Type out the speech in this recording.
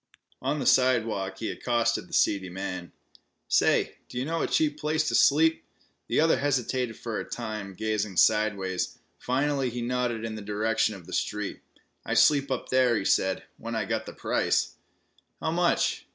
On the sidewalk he accosted the seedy man. "Say, do you know a cheap place to sleep?" The other hesitated for a time, gazing sideways. Finally he nodded in the direction of the street, "I sleep up there," he said, "when I've got the price." "How much?"